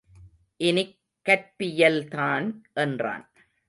இனிக் கற்பியல்தான் என்றான்.